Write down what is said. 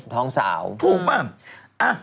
ท้องสาวถูกป่ะ